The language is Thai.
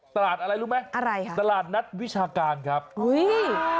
ตลาดอะไรรู้ไหมตลาดนัดวิชาการครับอุ้ยอะไรครับ